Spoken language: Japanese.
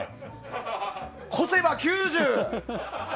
こせば９０！